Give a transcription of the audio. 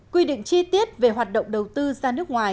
quy định chi tiết về hoạt động đầu tư ra nước ngoài